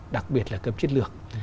đặc biệt là cấp chiến lược